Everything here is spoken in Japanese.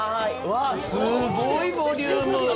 わあ、すごいボリューム。